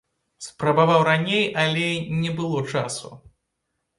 Спрабаваў раней, але не было часу.